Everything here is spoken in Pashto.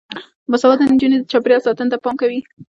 باسواده نجونې د چاپیریال ساتنې ته پام کوي.